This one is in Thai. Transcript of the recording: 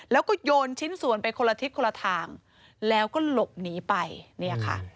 แล้วก็โยนชิ้นส่วนไปคนละทิศคนละทางแล้วก็หลบหนีไปเนี่ยค่ะ